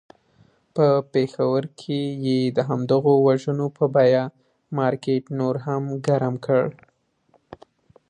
په پېښور کې یې د همدغو وژنو په بیه مارکېټ نور هم ګرم کړ.